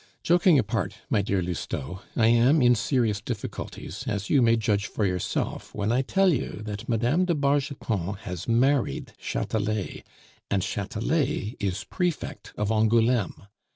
"Joking apart, my dear Lousteau, I am in serious difficulties, as you may judge for yourself when I tell you that Mme. de Bargeton has married Chatelet, and Chatelet is prefect of Angouleme.